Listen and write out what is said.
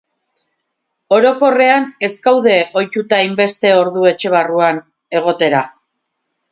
Orokorrean ez gaude ohituta hainbeste ordu etxe barruan egotera.